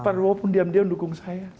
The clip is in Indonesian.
pak prabowo pun diam diam dukung saya